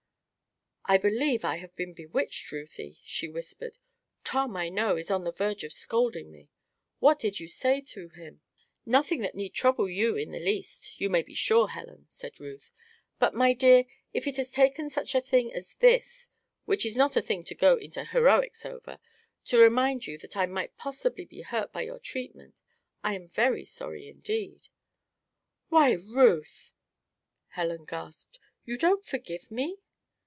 "I believe I have been bewitched, Ruthie," she whispered. "Tom, I know, is on the verge of scolding me. What did you say to him?" "Nothing that need trouble you in the least, you may be sure, Helen," said Ruth. "But, my dear, if it has taken such a thing as this which is not a thing to go into heroics over to remind you that I might possibly be hurt by your treatment, I am very sorry indeed." "Why, Ruth!" Helen gasped. "You don't forgive me?"